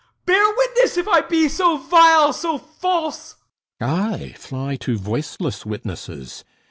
Bear witness if I be so vile, so false! THESEUS Aye, fly to voiceless witnesses!